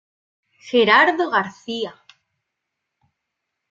Gerardo García.